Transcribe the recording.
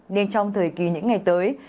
nên trong thời kỳ những ngày tới